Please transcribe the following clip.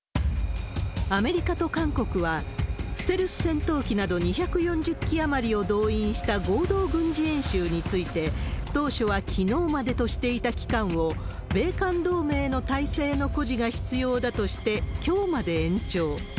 アメリカと韓国は、ステルス戦闘機など２４０機余りを動員した合同軍事演習について、当初はきのうまでとしていた期間を、米韓同盟の体制の誇示が必要だとして、きょうまで延長。